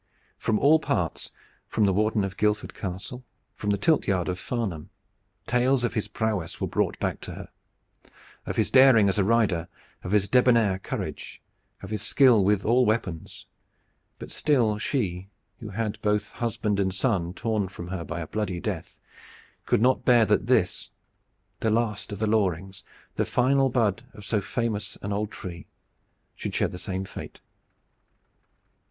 From all parts, from the warden of Guildford Castle, from the tilt yard of Farnham, tales of his prowess were brought back to her, of his daring as a rider, of his debonair courage, of his skill with all weapons; but still she, who had both husband and son torn from her by a bloody death, could not bear that this, the last of the Lorings, the final bud of so famous an old tree, should share the same fate.